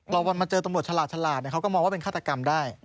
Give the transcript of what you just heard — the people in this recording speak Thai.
วันมาเจอตำรวจฉลาดเขาก็มองว่าเป็นฆาตกรรมได้